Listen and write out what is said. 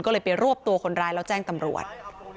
ก็เลยไปรวบตัวคนร้ายแล้วแจ้งตำรวจ